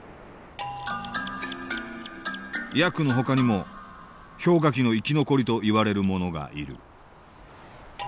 ヤクのほかにも氷河期の生き残りといわれるものがいる。